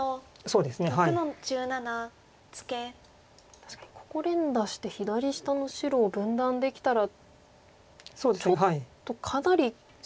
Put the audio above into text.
確かにここ連打して左下の白を分断できたらちょっとかなり白も怖いですね。